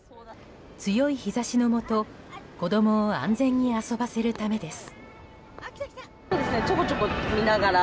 強い日差しの下子供を安全に遊ばせるためです。